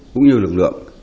cũng như lực lượng